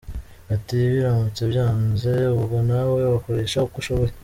Ati “biramutse byanze ubwo nawe wakoresha uko ushoboye .